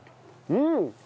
うん。